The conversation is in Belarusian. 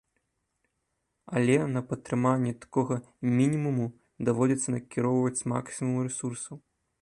Але на падтрыманне такога мінімуму даводзіцца накіроўваць максімум рэсурсаў.